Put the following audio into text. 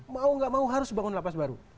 mau gak mau harus bangun lapas baru